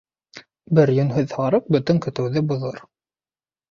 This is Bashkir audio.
Бер йүнһеҙ һарыҡ бөтөн көтөүҙе боҙор.